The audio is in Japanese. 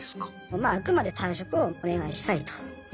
まああくまで退職をお願いしたいというスタンス。